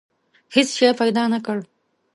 هېڅ شی پیدا نه کړ.